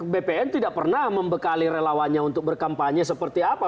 bpn tidak pernah membekali relawannya untuk berkampanye seperti apa